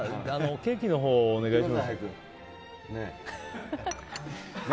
ケーキのほうをお願いします。